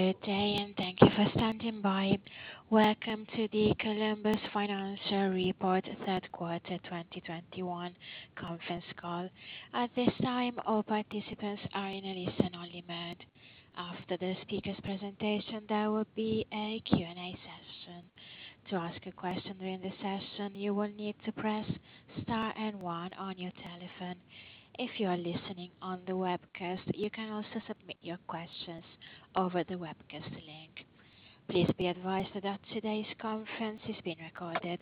Good day, and thank you for standing by. Welcome to the Columbus Financial Report Third Quarter 2021 conference call. At this time, all participants are in a listen-only mode. After the speaker's presentation, there will be a Q&A session. To ask a question during the session, you will need to press Star and One on your telephone. If you are listening on the webcast, you can also submit your questions over the webcast link. Please be advised that today's conference is being recorded.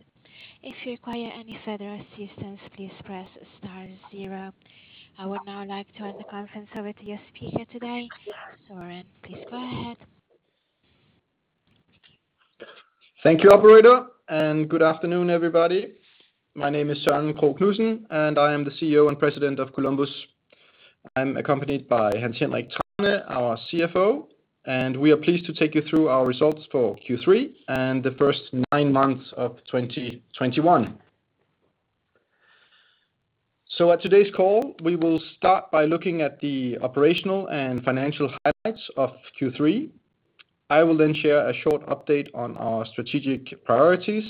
If you require any further assistance, please press Star Zero. I would now like to hand the conference over to your speaker today. Søren, please go ahead. Thank you, operator, and good afternoon, everybody. My name is Søren Krogh Knudsen, and I am the CEO and President of Columbus. I'm accompanied by Hans Henrik Thrane, our CFO, and we are pleased to take you through our results for Q3 and the first nine months of 2021. At today's call, we will start by looking at the operational and financial highlights of Q3. I will then share a short update on our strategic priorities.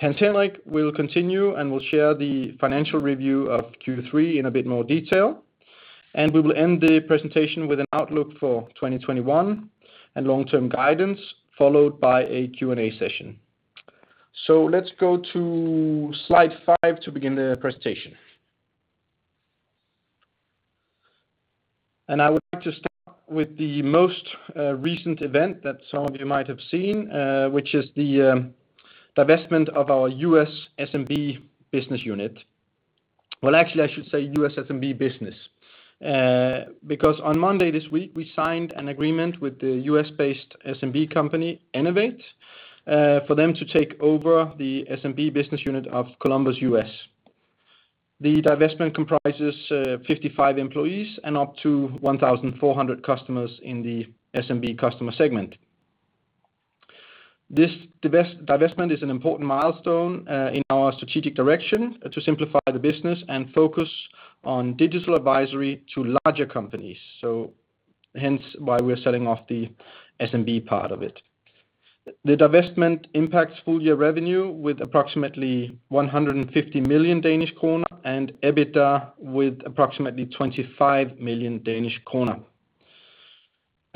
Hans Henrik will continue, and will share the financial review of Q3 in a bit more detail, and we will end the presentation with an outlook for 2021 and long-term guidance, followed by a Q&A session. Let's go to slide five to begin the presentation. I would like to start with the most recent event that some of you might have seen, which is the divestment of our U.S. SMB business unit. Well, actually, I should say U.S. SMB business, because on Monday this week, we signed an agreement with the U.S.-based SMB company, Enavate, for them to take over the SMB business unit of Columbus U.S. The divestment comprises 55 employees and up to 1,400 customers in the SMB customer segment. This divestment is an important milestone in our strategic direction to simplify the business and focus on digital advisory to larger companies, so hence why we're selling off the SMB part of it. The divestment impacts full-year revenue with approximately 150 million and EBITDA with approximately 25 million.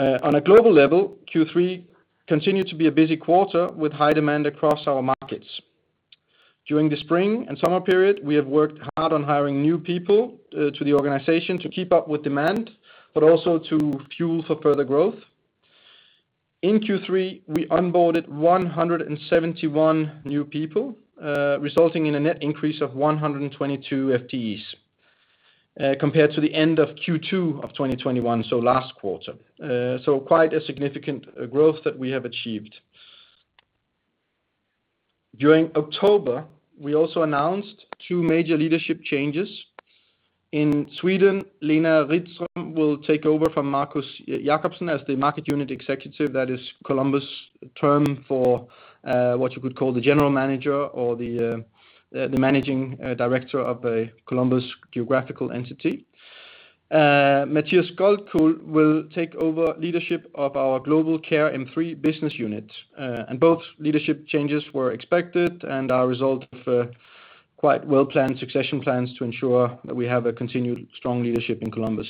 On a global level, Q3 continued to be a busy quarter with high demand across our markets. During the spring and summer period, we have worked hard on hiring new people to the organization to keep up with demand, but also to fuel for further growth. In Q3, we onboarded 171 new people, resulting in a net increase of 122 FTEs, compared to the end of Q2 of 2021, so last quarter. So quite a significant growth that we have achieved. During October, we also announced two major leadership changes. In Sweden, Lena Rydström will take over from Markus Jakobson as the Market Unit Executive. That is Columbus' term for what you could call the general manager or the managing director of a Columbus geographical entity. Mathieu Scholthuijl will take over leadership of our global Care M3 business unit. Both leadership changes were expected and are result of quite well-planned succession plans to ensure that we have a continued strong leadership in Columbus.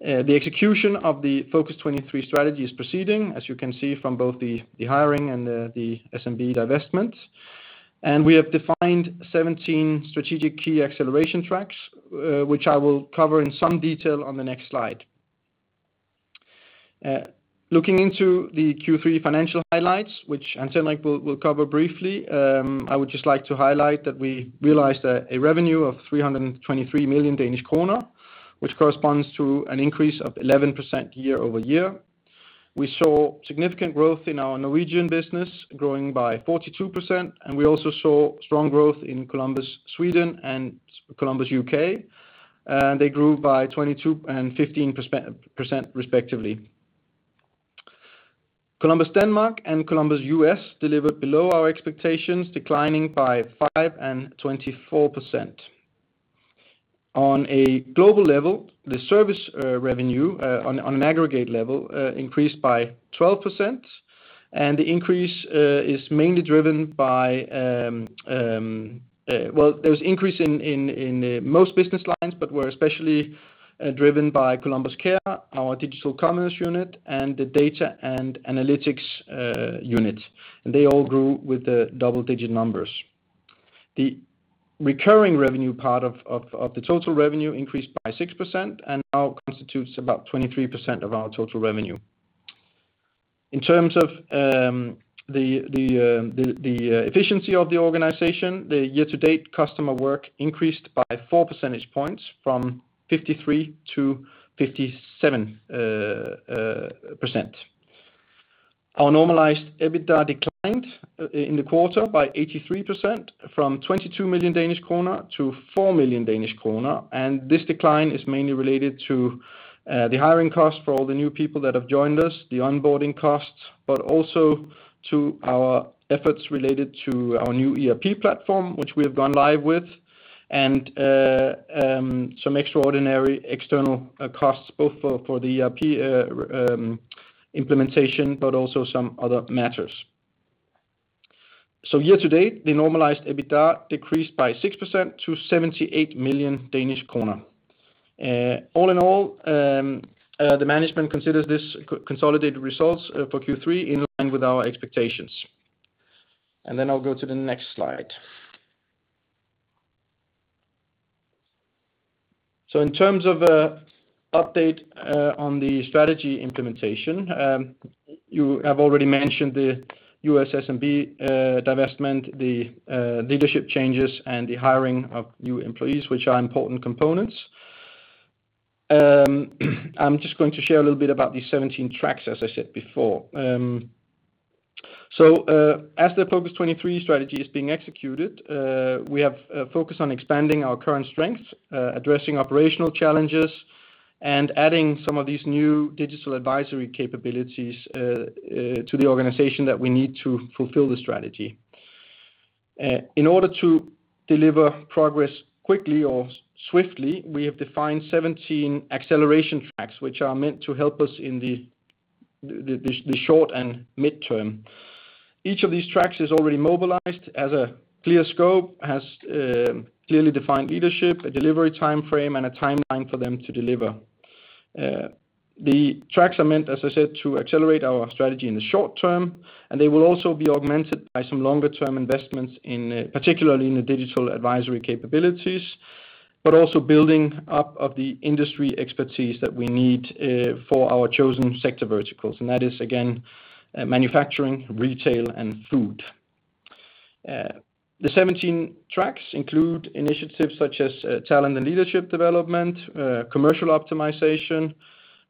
The execution of the Focus 23 strategy is proceeding, as you can see from both the hiring and the SMB divestment. We have defined 17 strategic key acceleration tracks, which I will cover in some detail on the next slide. Looking into the Q3 financial highlights, which Hans Henrik will cover briefly, I would just like to highlight that we realized a revenue of 323 million, which corresponds to an increase of 11% year-over-year. We saw significant growth in our Norwegian business, growing by 42%, and we also saw strong growth in Columbus Sweden and Columbus UK, and they grew by 22% and 15% respectively. Columbus Denmark and Columbus US delivered below our expectations, declining by 5% and 24%. On a global level, the service revenue on an aggregate level increased by 12%, and the increase is mainly driven by most business lines, but especially driven by Columbus Care, our digital commerce unit, and the data and analytics unit, and they all grew with double-digit numbers. The recurring revenue part of the total revenue increased by 6% and now constitutes about 23% of our total revenue. In terms of the efficiency of the organization, the year-to-date customer work increased by 4 percentage points from 53% to 57%. Our normalized EBITDA declined in the quarter by 83% from 22 million to 4 million, and this decline is mainly related to the hiring costs for all the new people that have joined us, the onboarding costs, but also to our efforts related to our new ERP platform, which we have gone live with and some extraordinary external costs, both for the ERP implementation, but also some other matters. Year to date, the normalized EBITDA decreased by 6% to 78 million Danish kroner. All in all, the management considers this consolidated results for Q3 in line with our expectations. I'll go to the next slide. In terms of update on the strategy implementation, you have already mentioned the U.S. SMB divestment, the leadership changes, and the hiring of new employees, which are important components. I'm just going to share a little bit about these 17 tracks, as I said before. As the Focus23 strategy is being executed, we have focused on expanding our current strengths, addressing operational challenges and adding some of these new digital advisory capabilities to the organization that we need to fulfill the strategy. In order to deliver progress quickly or swiftly, we have defined 17 acceleration tracks which are meant to help us in the short and midterm. Each of these tracks is already mobilized, has a clear scope, clearly defined leadership, a delivery timeframe, and a timeline for them to deliver. The tracks are meant, as I said, to accelerate our strategy in the short term, and they will also be augmented by some longer-term investments in, particularly in the digital advisory capabilities, but also building up of the industry expertise that we need, for our chosen sector verticals. That is, again, manufacturing, retail, and food. The 17 tracks include initiatives such as, talent and leadership development, commercial optimization.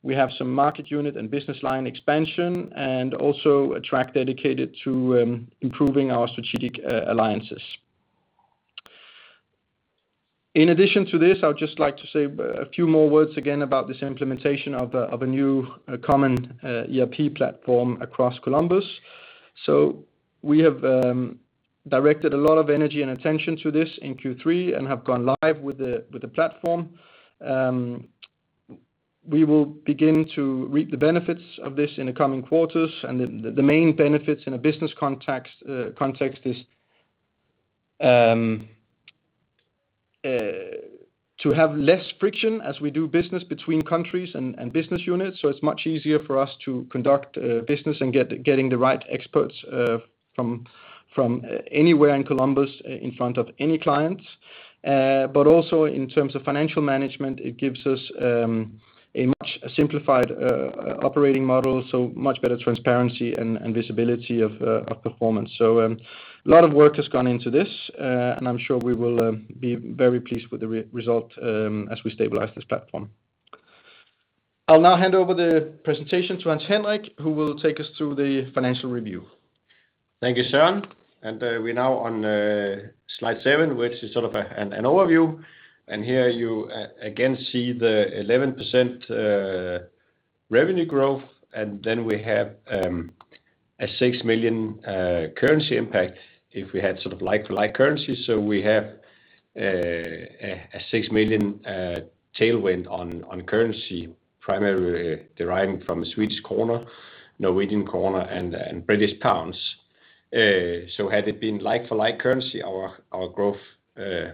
We have some market unit and business line expansion, and also a track dedicated to, improving our strategic alliances. In addition to this, I would just like to say a few more words again about this implementation of a new common ERP platform across Columbus. We have directed a lot of energy and attention to this in Q3 and have gone live with the platform. We will begin to reap the benefits of this in the coming quarters. The main benefits in a business context is to have less friction as we do business between countries and business units. It's much easier for us to conduct business and getting the right experts from anywhere in Columbus in front of any clients. Also in terms of financial management, it gives us a much simplified operating model, so much better transparency and visibility of performance. A lot of work has gone into this, and I'm sure we will be very pleased with the result as we stabilize this platform. I'll now hand over the presentation to Hans Henrik, who will take us through the financial review. Thank you, Søren. We're now on slide seven, which is sort of an overview. Here you again see the 11% revenue growth. We have a 6 million currency impact if we had sort of like-for-like currency. We have a 6 million tailwind on currency, primarily deriving from Swedish krona, Norwegian kroner, and British pounds. Had it been like for like currency our growth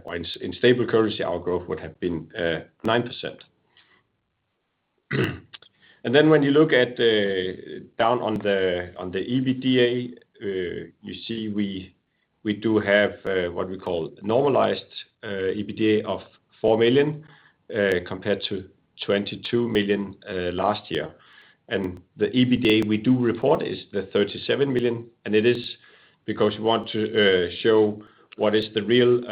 or in stable currency, our growth would have been 9%. When you look down on the EBITDA, you see we do have what we call normalized EBITDA of 4 million compared to 22 million last year. The EBITDA we do report is the 37 million, and it is because we want to show what is the real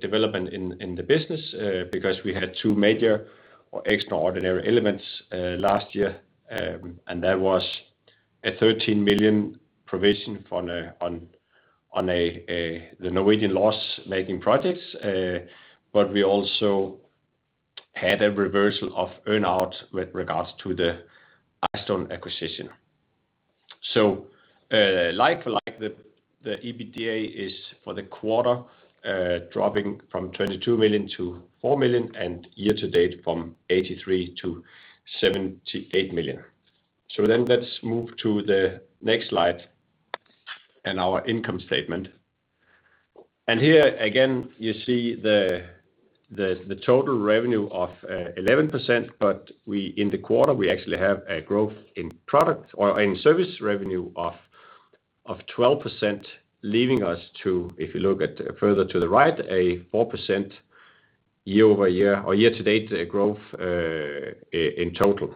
development in the business, because we had two major or extraordinary elements last year. There was a 13 million provision on the Norwegian loss-making projects. But we also had a reversal of earn out with regards to the iStone acquisition. Like for like, the EBITDA is for the quarter dropping from 22 million-4 million, and year to date from 83 million to 78 million. Let's move to the next slide and our income statement. Here again, you see the total revenue of 11%, but we in the quarter actually have a growth in product or service revenue of 12%, leaving us to if you look further to the right a 4% year-over-year or year-to-date growth in total.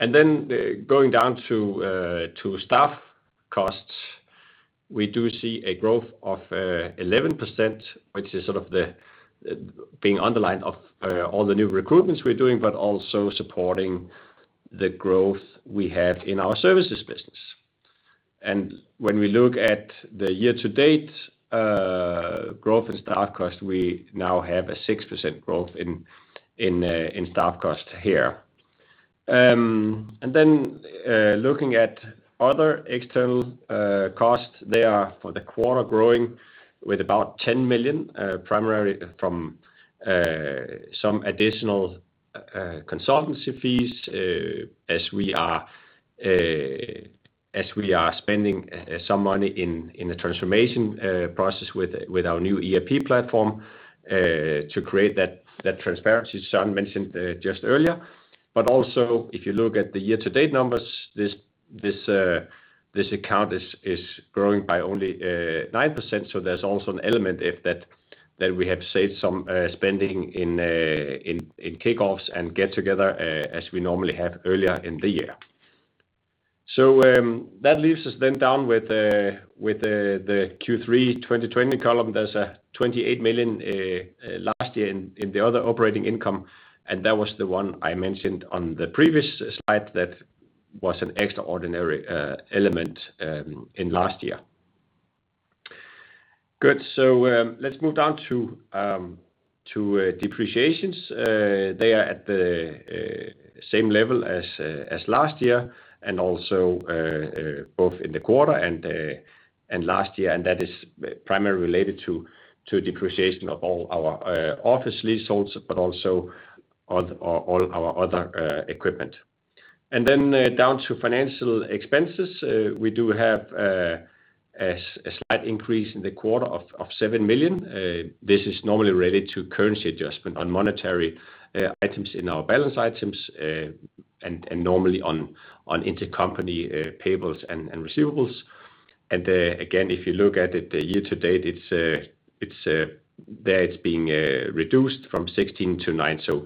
Then going down to staff costs, we do see a growth of 11%, which is sort of being underlined by all the new recruitments we're doing, but also supporting the growth we have in our services business. When we look at the year-to-date growth in staff cost, we now have a 6% growth in staff cost here. Looking at other external costs, they are for the quarter growing with about 10 million, primarily from some additional consultancy fees, as we are spending some money in the transformation process with our new ERP platform to create that transparency Søren mentioned just earlier. Also, if you look at the year-to-date numbers, this account is growing by only 9%. There's also an element of that we have saved some spending in kickoffs and get together as we normally have earlier in the year. That leaves us down with the Q3 2020 column. There's 28 million last year in the other operating income, and that was the one I mentioned on the previous slide that was an extraordinary element in last year. Good. Let's move down to depreciations. They are at the same level as last year and also both in the quarter and last year, and that is primarily related to depreciation of all our office leaseholds but also all our other equipment. Down to financial expenses. We do have a slight increase in the quarter of 7 million. This is normally related to currency adjustment on monetary items in our balance sheet, and normally on intercompany payables and receivables. Again, if you look at it, the year to date, it's being reduced from 16-9.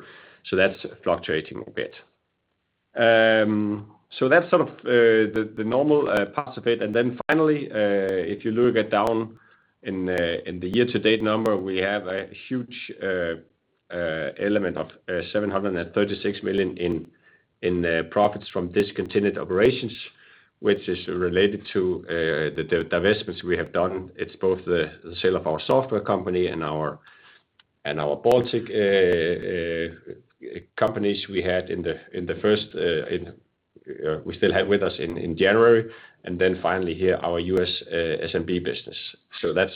That's fluctuating a bit. That's sort of the normal parts of it. Then finally, if you look down in the year to date number, we have a huge element of 736 million in profits from discontinued operations, which is related to the divestments we have done. It's both the sale of our software company and our Baltic companies we had in the first. We still have with us in January. Then finally here, our U.S. SMB business. That's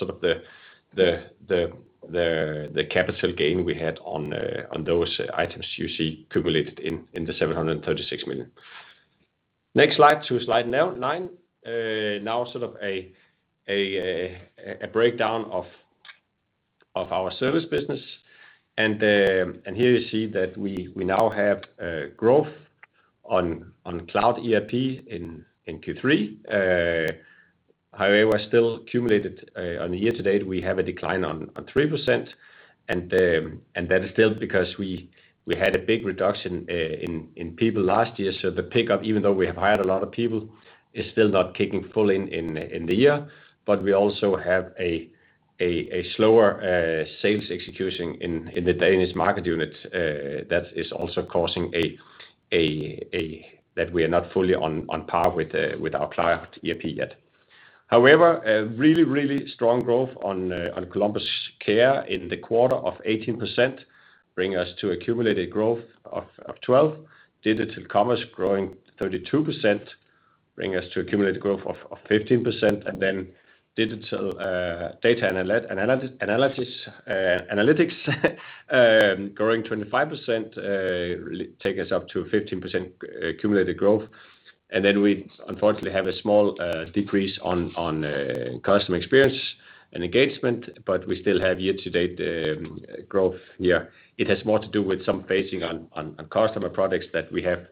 the capital gain we had on those items you see cumulated in 736 million. Next, slide nine. Now a breakdown of our service business. Here you see that we now have growth on Cloud ERP in Q3. However, still cumulated year-to-date, we have a decline of 3%. That is still because we had a big reduction in people last year. The pickup, even though we have hired a lot of people, is still not kicking fully in the year. We also have a slower sales execution in the Danish market units. That is also causing a That we are not fully on par with our Cloud ERP yet. However, a really strong growth on Columbus Care in the quarter of 18%, bring us to accumulated growth of 12%. Digital commerce growing 32%, bring us to accumulated growth of 15%. Digital data analytics growing 25%, take us up to a 15% accumulated growth. We unfortunately have a small decrease on customer experience and engagement, but we still have year to date growth here. It has more to do with some phasing on customer products that we have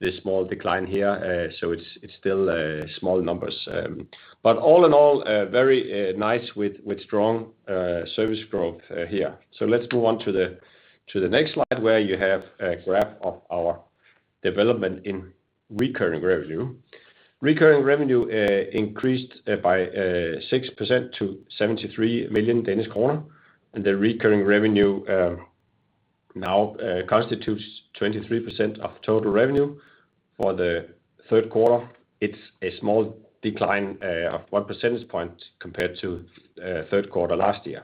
this small decline here. So it's still small numbers. But all in all, very nice with strong service growth here. Let's move on to the next slide, where you have a graph of our development in recurring revenue. Recurring revenue increased by 6% to 73 million Danish kroner. The recurring revenue now constitutes 23% of total revenue. For the third quarter, it's a small decline of one percentage point compared to third quarter last year.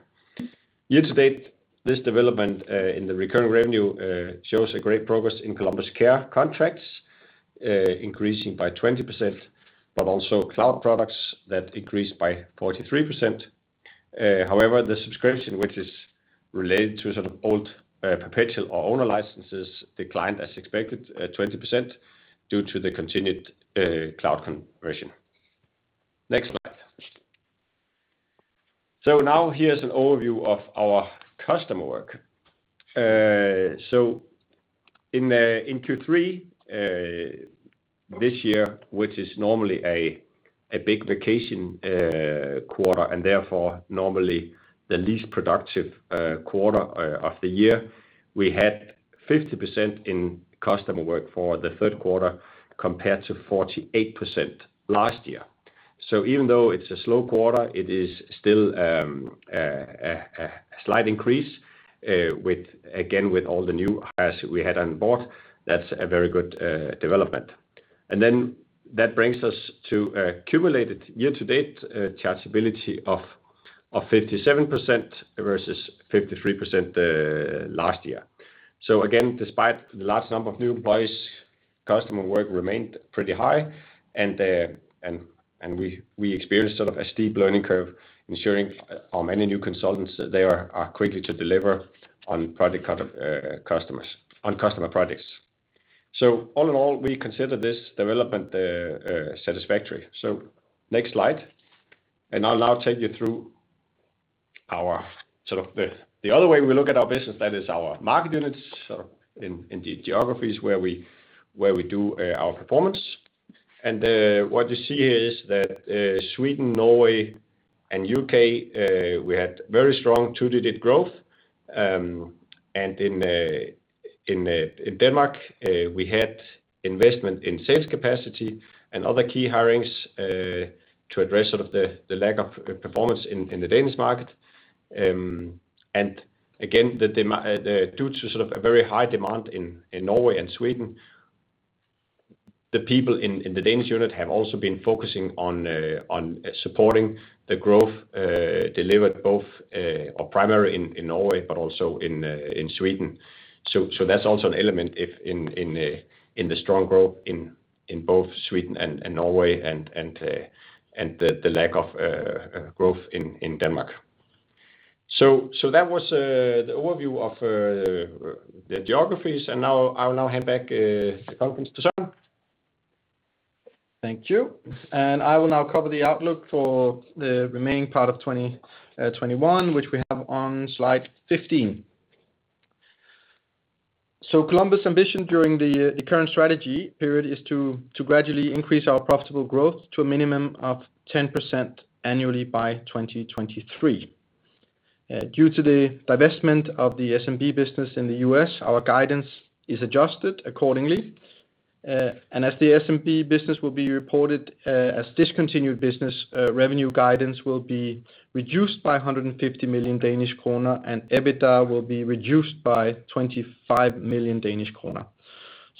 Year to date, this development in the recurring revenue shows a great progress in Columbus Care contracts increasing by 20%, but also cloud products that increased by 43%. However, the subscription, which is related to sort of old perpetual or owner licenses, declined as expected 20% due to the continued cloud conversion. Next slide. Now here's an overview of our customer work. In Q3 this year, which is normally a big vacation quarter and therefore normally the least productive quarter of the year, we had 50% in customer work for the third quarter compared to 48% last year. Even though it's a slow quarter, it is still a slight increase, again, with all the new hires we had on board. That's a very good development. That brings us to accumulated year to date chargeability of 57% versus 53% last year. Again, despite the large number of new employees, customer work remained pretty high and we experienced sort of a steep learning curve ensuring our many new consultants that they are quickly to deliver on customer projects. All in all, we consider this development satisfactory. Next slide. I'll now take you through our sort of the other way we look at our business. That is our market units in the geographies where we do our performance. What you see here is that Sweden, Norway, and U.K. we had very strong two-digit growth. In Denmark we had investment in sales capacity and other key hirings to address sort of the lack of performance in the Danish market. Again, due to sort of a very high demand in Norway and Sweden, the people in the Danish unit have also been focusing on supporting the growth delivered both or primarily in Norway, but also in Sweden. That's also an element in the strong growth in both Sweden and Norway and the lack of growth in Denmark. That was the overview of the geographies, and now I'll hand back the conference to Søren. Thank you. I will now cover the outlook for the remaining part of 2021, which we have on slide 15. Columbus' ambition during the current strategy period is to gradually increase our profitable growth to a minimum of 10% annually by 2023. Due to the divestment of the SMB business in the U.S., our guidance is adjusted accordingly. As the SMB business will be reported as discontinued business, revenue guidance will be reduced by 150 million Danish kroner, and EBITDA will be reduced by 25 million Danish kroner.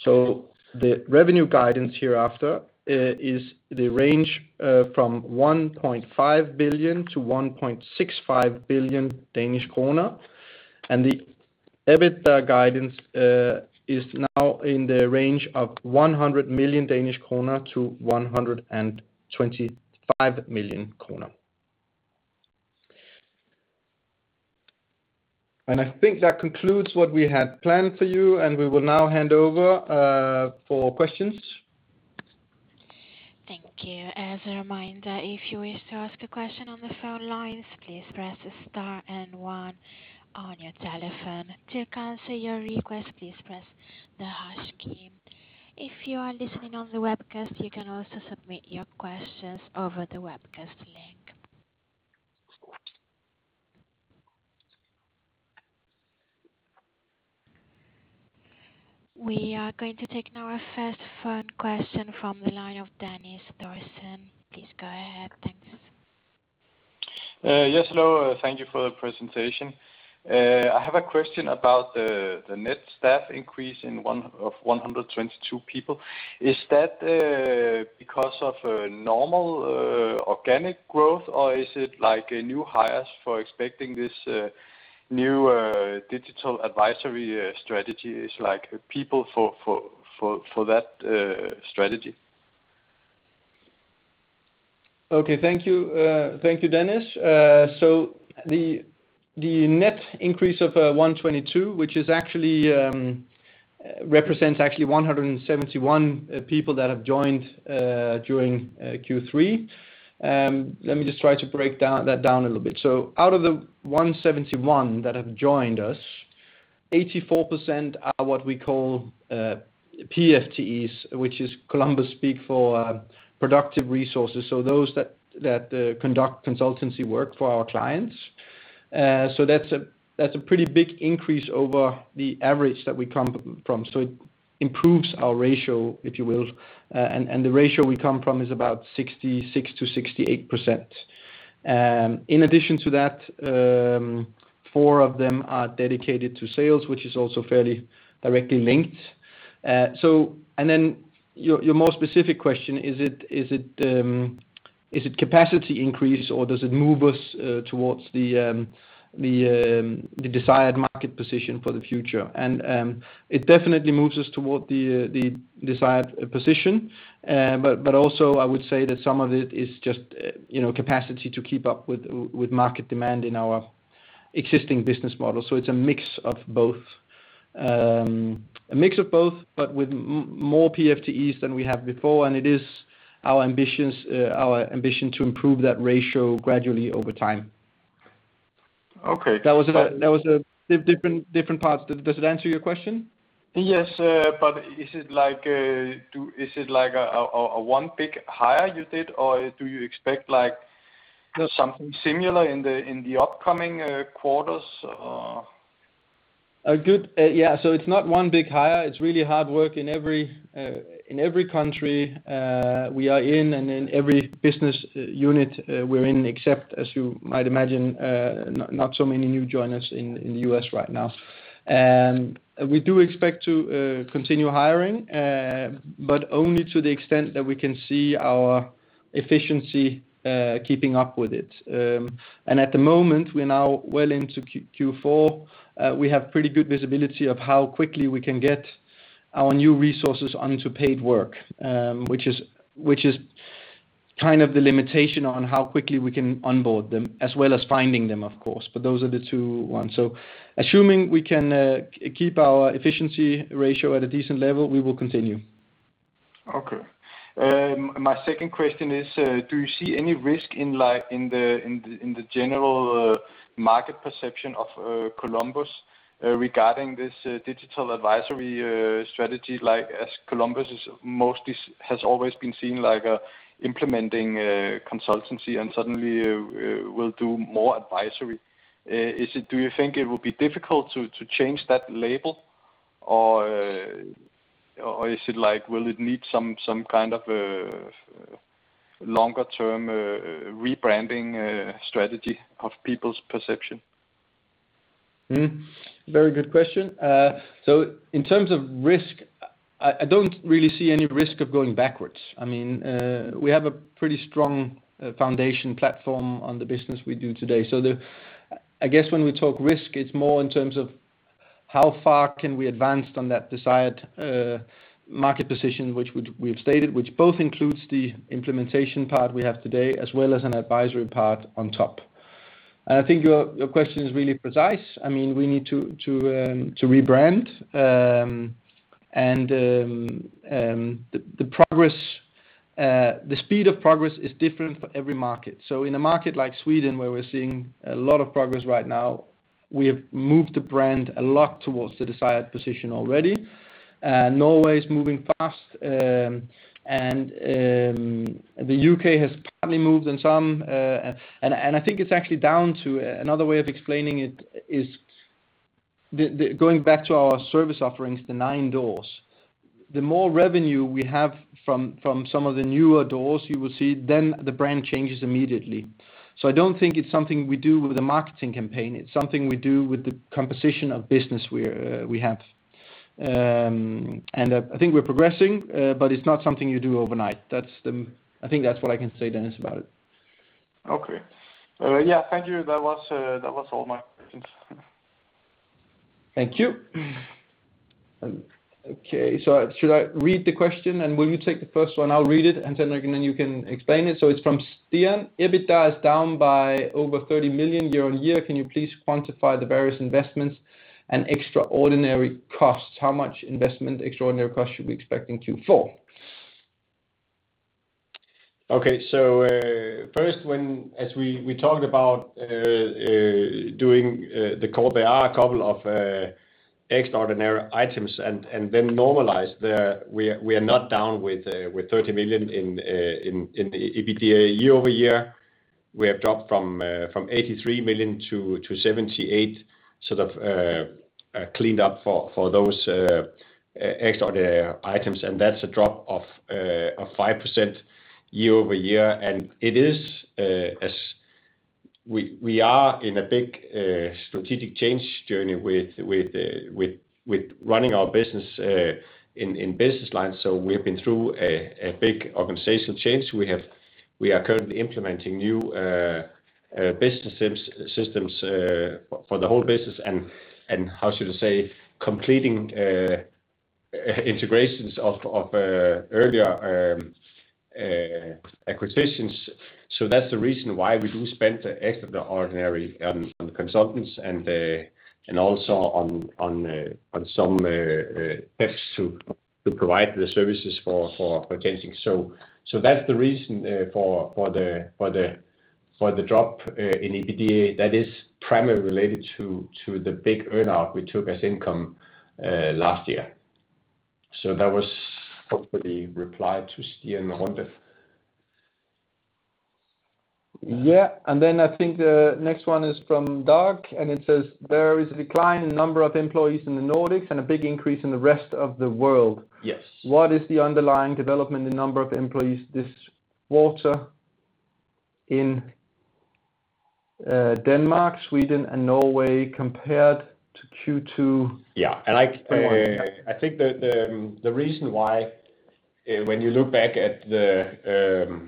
The revenue guidance hereafter is the range from 1.5 billion-1.65 billion Danish kroner. The EBITDA guidance is now in the range of 100 million-125 million Danish kroner. I think that concludes what we had planned for you, and we will now hand over for questions. Thank you. As a reminder, if you wish to ask a question on the phone lines, please press star and one on your telephone. To cancel your request, please press the hash key. If you are listening on the webcast, you can also submit your questions over the webcast link. We are going to take now our first phone question from the line of Dennis Nilsson. Please go ahead. Thanks. Yes. Hello. Thank you for the presentation. I have a question about the net staff increase of 122 people. Is that because of normal organic growth, or is it like new hires for expecting this new digital advisory strategy, like people for that strategy? Okay. Thank you. Thank you, Dennis. The net increase of 122, which actually represents 171 people that have joined during Q3. Let me just try to break that down a little bit. Out of the 171 that have joined us, 84% are what we call PFTEs, which is Columbus speak for productive resources, so those that conduct consultancy work for our clients. That's a pretty big increase over the average that we come from. It improves our ratio, if you will. The ratio we come from is about 66%-68%. In addition to that, four of them are dedicated to sales, which is also fairly directly linked. Your more specific question, is it capacity increase, or does it move us toward the desired market position for the future? It definitely moves us toward the desired position. I would say that some of it is just you know, capacity to keep up with market demand in our existing business model. It's a mix of both. A mix of both, but with more PFTEs than we have before, and it is our ambition to improve that ratio gradually over time. Okay. That was different parts. Does it answer your question? Yes. Is it like one big hire you did, or do you expect like something similar in the upcoming quarters? A good, it's not one big hire. It's really hard work in every country we are in and in every business unit we're in, except, as you might imagine, not so many new joiners in the U.S. right now. We do expect to continue hiring, but only to the extent that we can see our efficiency keeping up with it. At the moment, we're now well into Q4. We have pretty good visibility of how quickly we can get our new resources onto paid work, which is kind of the limitation on how quickly we can onboard them, as well as finding them, of course, but those are the two ones. Assuming we can keep our efficiency ratio at a decent level, we will continue. Okay. My second question is, do you see any risk in like the general market perception of Columbus regarding this digital advisory strategy, like as Columbus has always been seen like implementing consultancy and suddenly will do more advisory? Do you think it will be difficult to change that label or is it like will it need some kind of longer-term rebranding strategy of people's perception? Very good question. In terms of risk, I don't really see any risk of going backwards. I mean, we have a pretty strong foundation platform on the business we do today. I guess when we talk risk, it's more in terms of how far can we advance on that desired market position, which we've stated, which both includes the implementation part we have today, as well as an advisory part on top. I think your question is really precise. I mean, we need to rebrand. The progress, the speed of progress is different for every market. In a market like Sweden, where we're seeing a lot of progress right now, we have moved the brand a lot towards the desired position already. Norway is moving fast. The U.K. has currently moved and some. I think it's actually down to another way of explaining it is going back to our service offerings, the nine doors. The more revenue we have from some of the newer doors you will see then the brand changes immediately. I don't think it's something we do with a marketing campaign. It's something we do with the composition of business we have. I think we're progressing, but it's not something you do overnight. I think that's what I can say, Dennis Nilsson, about it. Okay. Yeah, thank you. That was all my questions. Thank you. Okay. Should I read the question, and will you take the first one? I'll read it, and then you can explain it. It's from Stian. EBITDA is down by over 30 million year-over-year. Can you please quantify the various investments and extraordinary costs? How much investment extraordinary costs should we expect in Q4? Okay. First, when, as we talked about doing the call, there are a couple of extraordinary items, and then normalized, we are not down by 30 million in EBITDA year-over-year. We have dropped from 83 million-78 million, sort of cleaned up for those extraordinary items, and that's a drop of 5% year-over-year. It is, as we are in a big strategic change journey with running our business in business lines. We have been through a big organizational change. We are currently implementing new business systems for the whole business and how should I say, completing integrations of earlier acquisitions. That's the reason why we do spend the extraordinary on consultants and also on some tests to provide the services for changing. That's the reason for the drop in EBITDA that is primarily related to the big earn out we took as income last year. That was hopefully a reply to Stian Runde. Yeah. I think the next one is from Dag, and it says, There is a decline in number of employees in the Nordics and a big increase in the rest of the world. Yes. What is the underlying development in number of employees this quarter in Denmark, Sweden, and Norway compared to Q2? Yeah. I think the reason why when you look back at the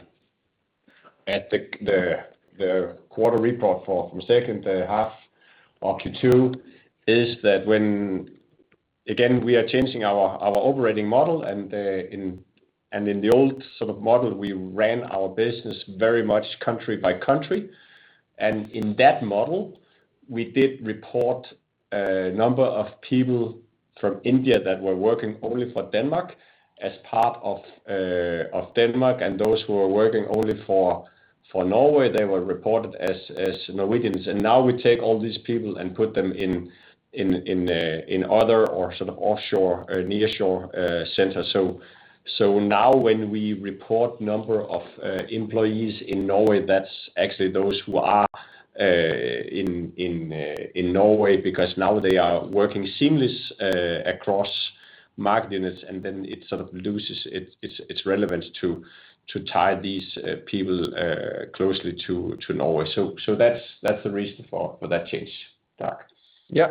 quarter report from second half of Q2 is that when again we are changing our operating model and in the old sort of model we ran our business very much country by country. In that model we did report a number of people from India that were working only for Denmark as part of Denmark, and those who were working only for Norway they were reported as Norwegians. Now we take all these people and put them in other or sort of offshore or nearshore centers. Now when we report number of employees in Norway, that's actually those who are in Norway because now they are working seamlessly across market units, and then it sort of loses its relevance to tie these people closely to Norway. That's the reason for that change, Dag.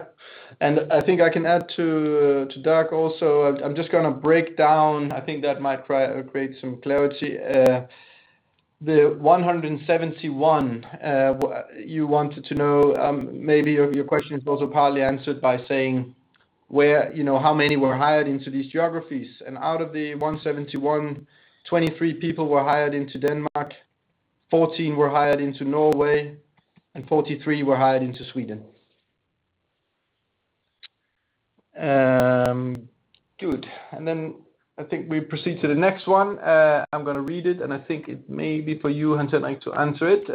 I think I can add to Dag also. I'm just gonna break down. I think that might create some clarity. The 171, you wanted to know, maybe your question is also partly answered by saying where, you know, how many were hired into these geographies. Out of the 171, 23 people were hired into Denmark, 14 were hired into Norway, and 43 were hired into Sweden. Good. Then I think we proceed to the next one. I'm gonna read it, and I think it may be for you, Henrik, like, to answer it.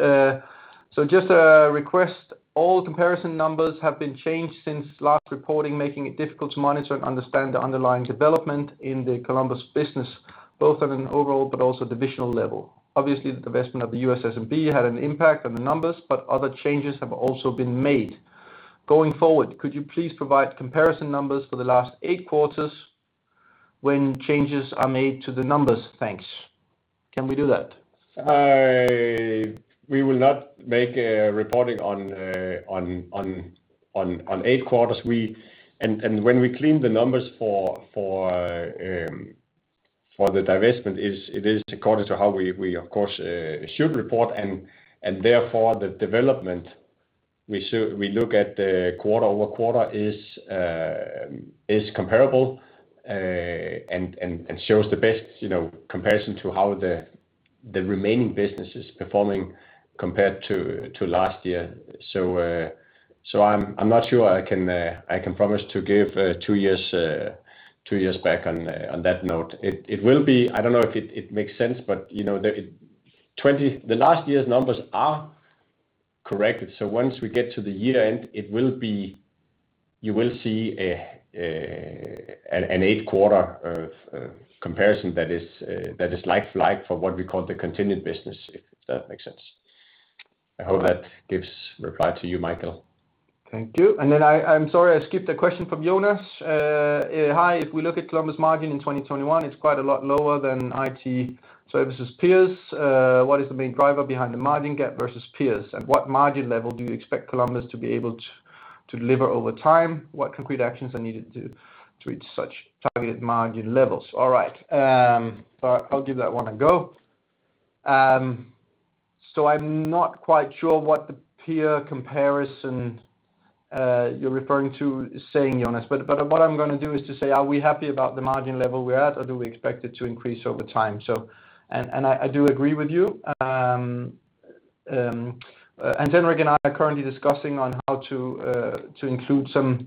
So just a request, all comparison numbers have been changed since last reporting, making it difficult to monitor and understand the underlying development in the Columbus business, both on an overall but also divisional level. Obviously, the divestment of the U.S. SMB had an impact on the numbers, but other changes have also been made. Going forward, could you please provide comparison numbers for the last eight quarters when changes are made to the numbers? Thanks. Can we do that? We will not make a reporting on eight quarter. When we clean the numbers for the divestment, it is according to how we of course should report and therefore the development we look at quarter-over-quarter is comparable and shows the best, you know, comparison to how the remaining business is performing compared to last year. I'm not sure I can promise to give two years back on that note. It will be. I don't know if it makes sense, but you know, the last year's numbers are corrected, so once we get to the year-end, it will be. You will see an eight quarter comparison that is like for like for what we call the continued business, if that makes sense. I hope that gives reply to you, Michael. Thank you. I’m sorry, I skipped a question from Jonas. Hi. If we look at Columbus margin in 2021, it’s quite a lot lower than IT services peers. What is the main driver behind the margin gap versus peers? And what margin level do you expect Columbus to be able to deliver over time? What concrete actions are needed to reach such targeted margin levels? All right. I’ll give that one a go. I’m not quite sure what the peer comparison you’re referring to is saying, Jonas. What I’m gonna do is to say, are we happy about the margin level we’re at, or do we expect it to increase over time? I do agree with you. Henrik and I are currently discussing on how to include some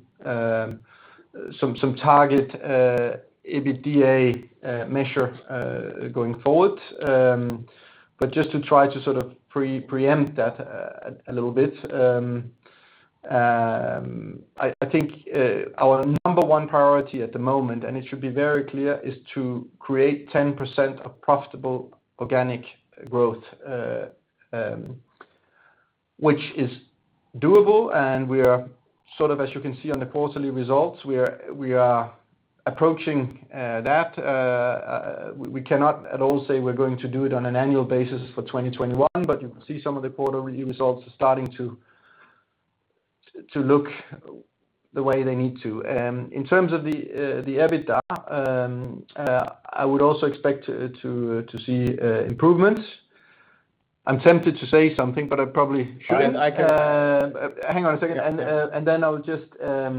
target EBITDA measure going forward. Just to try to sort of preempt that a little bit, I think our number one priority at the moment, and it should be very clear, is to create 10% of profitable organic growth, which is doable, and we are sort of as you can see on the quarterly results we are approaching that. We cannot at all say we're going to do it on an annual basis for 2021, but you can see some of the quarterly results are starting to look the way they need to. In terms of the EBITDA, I would also expect to see improvements. I'm tempted to say something, but I probably shouldn't. I can- Hang on a second. Yeah.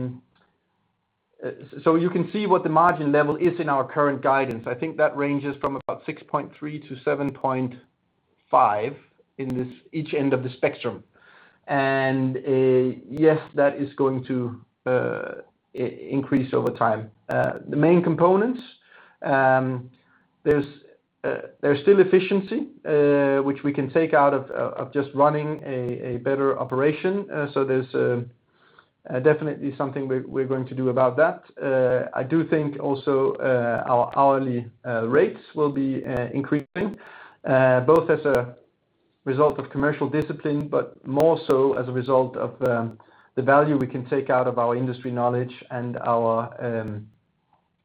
You can see what the margin level is in our current guidance. I think that ranges from about 6.3%-7.5% at each end of the spectrum. Yes, that is going to increase over time. The main components, there's still efficiency which we can take out of just running a better operation. There's definitely something we're going to do about that. I do think also our hourly rates will be increasing both as a result of commercial discipline, but more so as a result of the value we can take out of our industry knowledge and our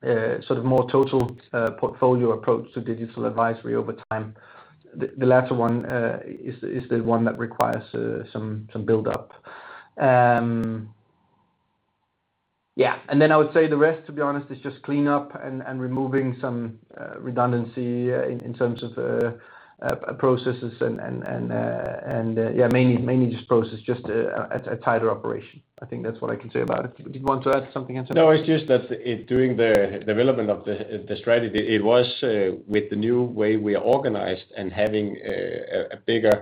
sort of more total portfolio approach to digital advisory over time. The latter one is the one that requires some buildup. Yeah. I would say the rest, to be honest, is just cleanup and removing some redundancy in terms of processes and yeah, mainly just process, just a tighter operation. I think that's what I can say about it. Did you want to add something, Henrik? No, it's just that during the development of the strategy, it was with the new way we are organized and having a bigger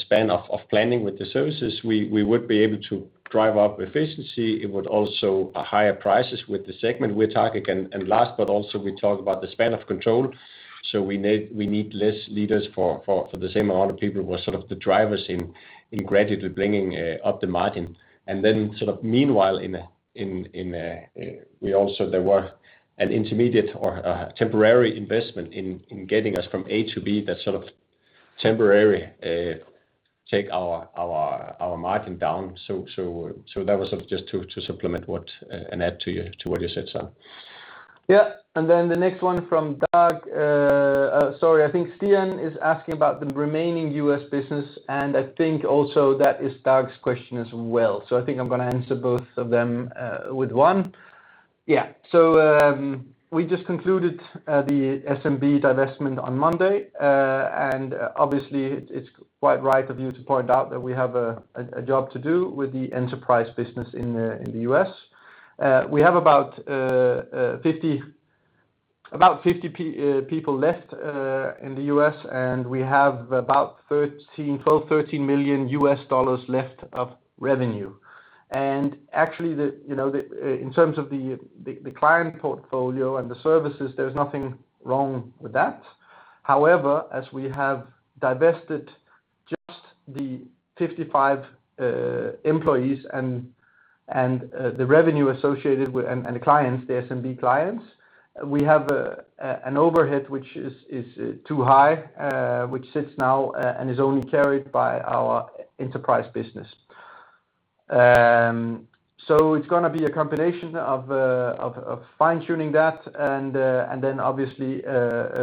span of planning with the services, we would be able to drive up efficiency. It would also higher prices with the segment we're targeting. Last, but also we talk about the span of control, so we need less leaders for the same amount of people who are sort of the drivers in gradually bringing up the margin. Then sort of meanwhile, we also, there was an intermediate or a temporary investment in getting us from A to B that sort of temporarily took our margin down. That was just to supplement what and add to what you said, so. Yeah. The next one from Dag. Sorry, I think Stian is asking about the remaining U.S. business, and I think also that is Dag's question as well. I think I'm gonna answer both of them with one. Yeah. We just concluded the SMB divestment on Monday. Obviously, it's quite right of you to point out that we have a job to do with the enterprise business in the U.S. We have about 50 people left in the U.S., and we have about $12-$13 million left of revenue. Actually, you know, in terms of the client portfolio and the services, there's nothing wrong with that. However, as we have divested just the 55 employees and the revenue associated with... The clients, the SMB clients, we have an overhead which is too high, which sits now and is only carried by our enterprise business. It's gonna be a combination of fine-tuning that and then obviously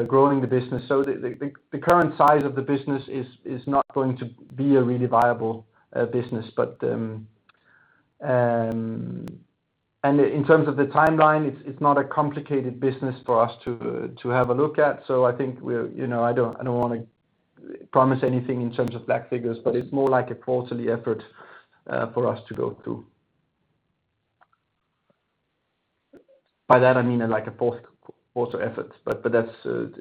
growing the business. The current size of the business is not going to be a really viable business. In terms of the timeline, it's not a complicated business for us to have a look at. I think we're, you know, I don't wanna promise anything in terms of back figures, but it's more like a quarterly effort for us to go through. By that I mean like a post effort, but that's sort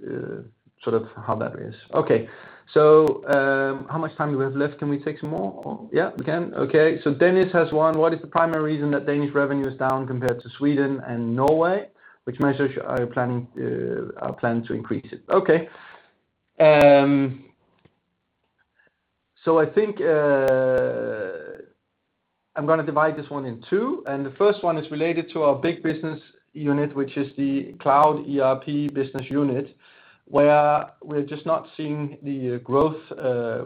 of how that is. Okay. How much time do we have left? Can we take some more, or? Yeah, we can. Okay. Dennis has one. What is the primary reason that Danish revenue is down compared to Sweden and Norway? Which measures are you planning to increase it? Okay. I think I'm gonna divide this one in two, and the first one is related to our big business unit, which is the Cloud ERP business unit, where we're just not seeing the growth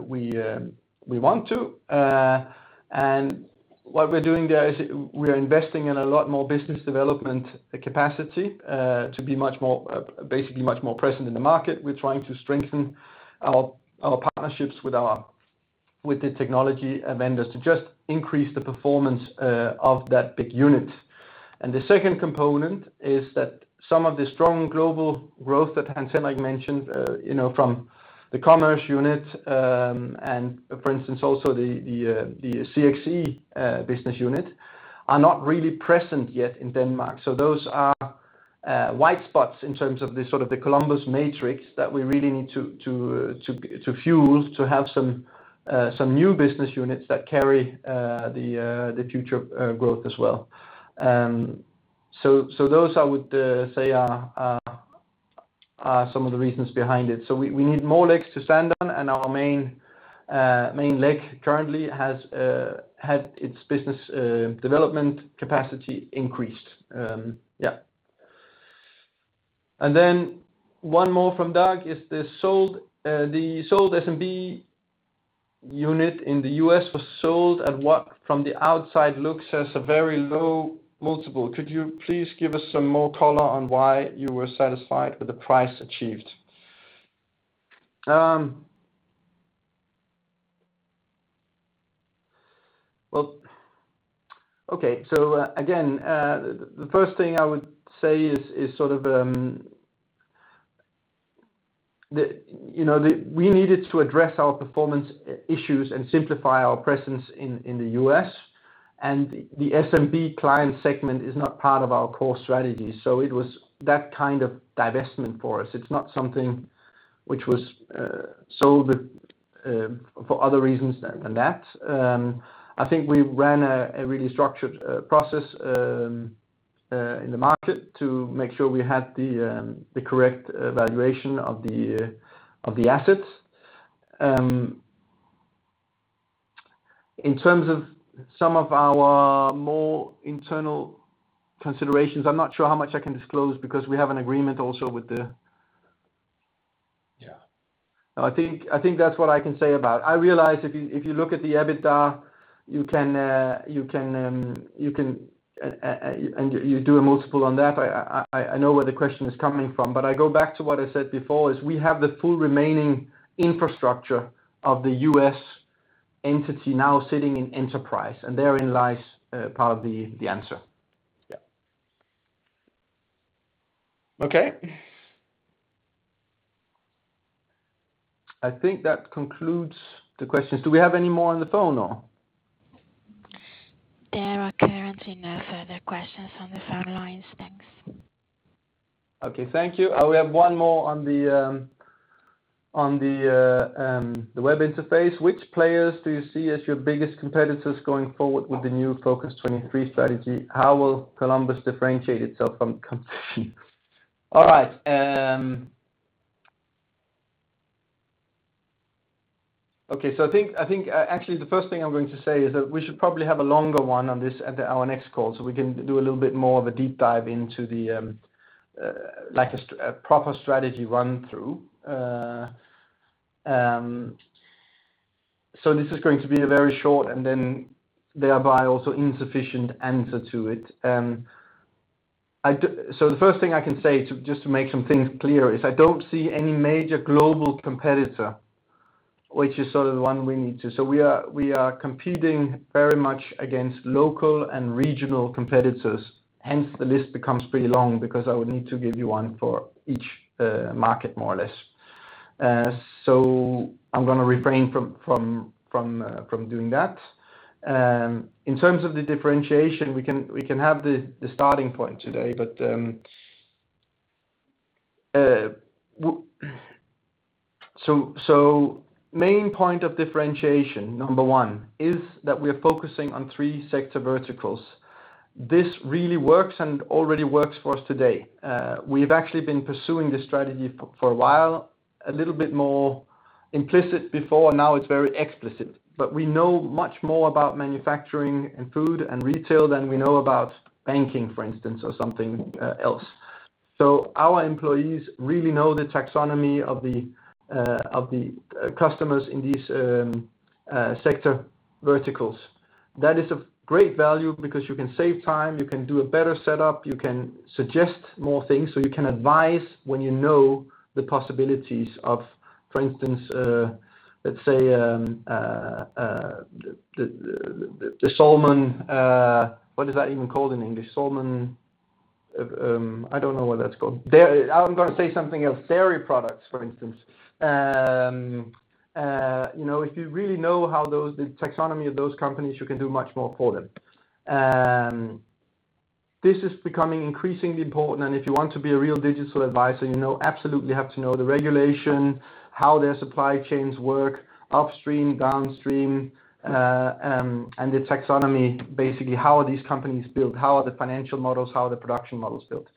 we want to. What we're doing there is we are investing in a lot more business development capacity to be much more basically much more present in the market. We're trying to strengthen our partnerships with the technology vendors to just increase the performance of that big unit. The second component is that some of the strong global growth that Hans Henrik mentioned, you know, from the commerce unit, and for instance, also the CXE business unit, are not really present yet in Denmark. So those are white spots in terms of the sort of the Columbus matrix that we really need to fuel to have some new business units that carry the future growth as well. So those I would say are some of the reasons behind it. So we need more legs to stand on, and our main leg currently had its business development capacity increased. Yeah. Then one more from Doug. The sold SMB unit in the U.S. was sold at what from the outside looks as a very low multiple. Could you please give us some more color on why you were satisfied with the price achieved? Well, okay. Again, the first thing I would say is sort of, you know, we needed to address our performance issues and simplify our presence in the U.S., and the SMB client segment is not part of our core strategy, so it was that kind of divestment for us. It's not something which was sold for other reasons than that. I think we ran a really structured process in the market to make sure we had the correct valuation of the assets. In terms of some of our more internal considerations, I'm not sure how much I can disclose because we have an agreement also with the Yeah. I think that's what I can say about. I realize if you look at the EBITDA, you can and you do a multiple on that. I know where the question is coming from, but I go back to what I said before, is we have the full remaining infrastructure of the U.S. entity now sitting in enterprise, and therein lies part of the answer. Yeah. Okay. I think that concludes the questions. Do we have any more on the phone or? There are currently no further questions on the phone lines. Thanks. Okay. Thank you. We have one more on the web interface. Which players do you see as your biggest competitors going forward with the new Focus23 strategy? How will Columbus differentiate itself from competition? All right. Okay, I think actually the first thing I'm going to say is that we should probably have a longer one on this at our next call, so we can do a little bit more of a deep dive into a proper strategy run through. This is going to be a very short and then thereby also insufficient answer to it. The first thing I can say to, just to make some things clear, is I don't see any major global competitor which is sort of the one we need to. We are competing very much against local and regional competitors. Hence, the list becomes pretty long because I would need to give you one for each market, more or less. I'm gonna refrain from doing that. In terms of the differentiation, we can have the starting point today, but. Main point of differentiation, number one, is that we are focusing on three sector verticals. This really works and already works for us today. We've actually been pursuing this strategy for a while, a little bit more implicit before, now it's very explicit. We know much more about manufacturing and food and retail than we know about banking, for instance, or something else. Our employees really know the taxonomy of the customers in these sector verticals. That is of great value because you can save time, you can do a better setup, you can suggest more things. You can advise when you know the possibilities of, for instance, let's say, the salmon, what is that even called in English? Salmon, I don't know what that's called. I'm gonna say something else. Dairy products, for instance. You know, if you really know how those, the taxonomy of those companies, you can do much more for them. This is becoming increasingly important, and if you want to be a real digital advisor, you know absolutely have to know the regulation, how their supply chains work, upstream, downstream, and the taxonomy, basically, how are these companies built, how are the financial models, how are the production models built.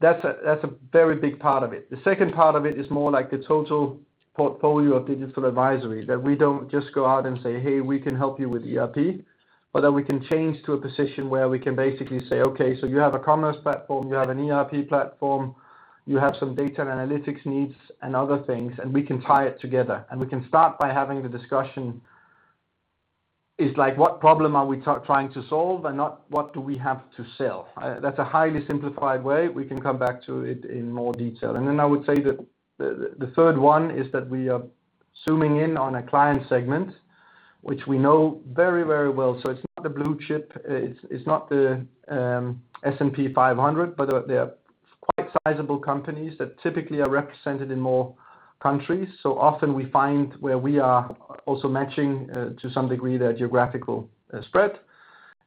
That's a very big part of it. The second part of it is more like the total portfolio of digital advisory, that we don't just go out and say, "Hey, we can help you with ERP." But that we can change to a position where we can basically say, "Okay, so you have a commerce platform, you have an ERP platform, you have some data and analytics needs and other things, and we can tie it together." We can start by having the discussion is like, what problem are we trying to solve and not what do we have to sell. That's a highly simplified way, we can come back to it in more detail. I would say that the third one is that we are zooming in on a client segment, which we know very, very well. It's not the blue chip. It's not the S&P 500, but they're quite sizable companies that typically are represented in more countries. Often we find where we are also matching to some degree their geographical spread.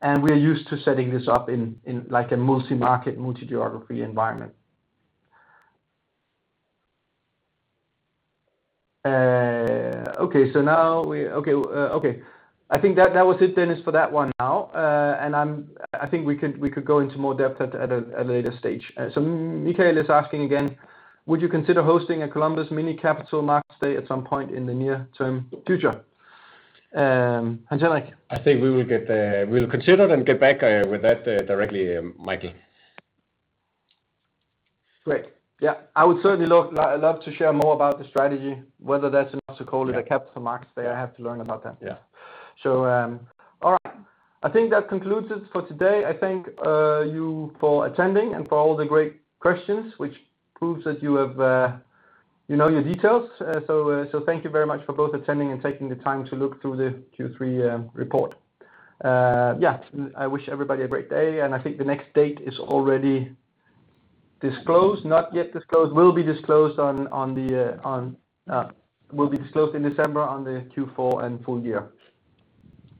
We're used to setting this up in like a multi-market, multi-geography environment. I think that was it, Dennis, for that one now. I think we could go into more depth at a later stage. Michael is asking again, would you consider hosting a Columbus mini capital markets day at some point in the near-term future? Hans Henrik? We'll consider it and get back with that directly, Michael. Great. Yeah. I would certainly love to share more about the strategy, whether that's enough to call it a capital markets day. I have to learn about that. Yeah. All right. I think that concludes it for today. I thank you for attending and for all the great questions, which proves that you have you know your details. So thank you very much for both attending and taking the time to look through the Q3 report. Yeah. I wish everybody a great day, and I think the next date is already disclosed, not yet disclosed. Will be disclosed in December on the Q4 and full year.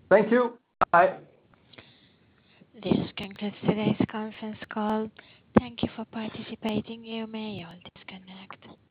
Thank you. Bye. This concludes today's conference call. Thank you for participating. You may all disconnect.